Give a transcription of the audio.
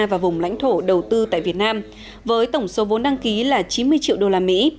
và vùng lãnh thổ đầu tư tại việt nam với tổng số vốn đăng ký là chín mươi triệu đô la mỹ